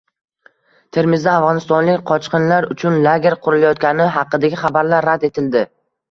Termizda afg‘onistonlik qochqinlar uchun lager qurilayotgani haqidagi xabarlar rad etildi